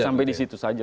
sampai di situ saja